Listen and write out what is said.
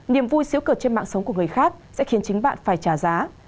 nhiềm vui xíu cợt trên mạng sống của người khác sẽ khiến chính bạn phải trả giá